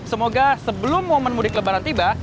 semoga sebelum momen mudik lebaran tiba